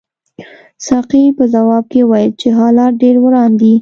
ساقي په ځواب کې وویل چې حالات ډېر وران دي.